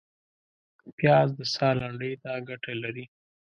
پیاز د ساه لنډۍ ته ګټه لري